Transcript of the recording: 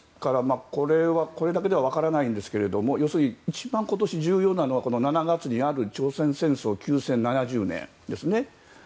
これだけでは分からないんですけども要するに、一番今年重要なのは７月にある朝鮮戦争休戦７０年ですね。